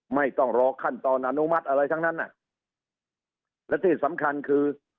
ไม่ต้องรอขั้นตอนอนุมัติอะไรทั้งนั้นอ่ะและที่สำคัญคือ